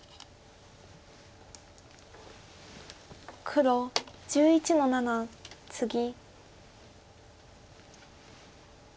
黒１１の七ツギ。